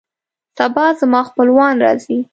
سبا زما خپلوان راځي